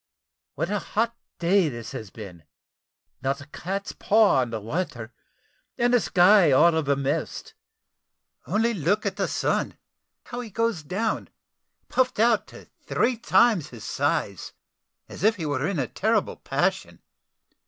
What a hot day this has been not a cat's paw on the water, and the sky all of a mist. Only look at the sun, how he goes down, puffed out to three times his size, as if he were in a terrible passion.